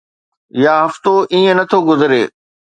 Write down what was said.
يا هفتو ائين نه ٿو گذري